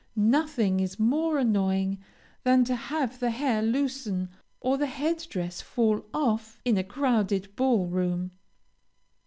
Nothing is more annoying than to have the hair loosen or the head dress fall off in a crowded ball room.